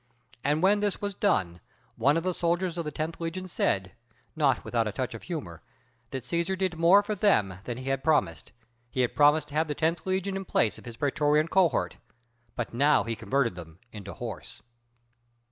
And when this was done, one of the soldiers of the tenth legion said, not without a touch of humor, "that Cæsar did more for them than he had promised: he had promised to have the tenth legion in place of his prætorian cohort; but he now converted them into horse."